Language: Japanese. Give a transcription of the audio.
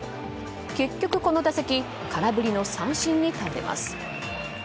結局、この打席空振りの三振に倒れます。